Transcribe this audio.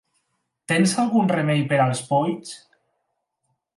Tens algun remei per als polls?